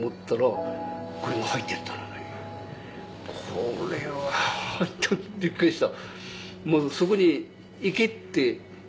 これはちょっとびっくりした。